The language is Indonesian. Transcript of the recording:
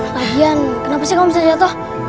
lagian kenapa sih kamu bisa jatuh